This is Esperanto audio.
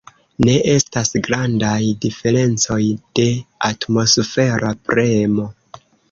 Ne estas grandaj diferencoj de atmosfera premo.